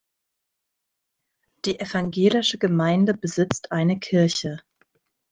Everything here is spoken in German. Die evangelische Gemeinde besitzt eine Kirche.